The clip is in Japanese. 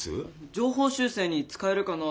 情報修正に使えるかなと思って。